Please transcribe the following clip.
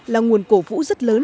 là nguồn cổ vũ rất lớn